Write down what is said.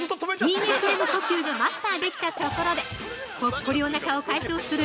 ◆Ｔ・Ｆ・Ｍ呼吸がマスターできたところでポッコリおなかを解消する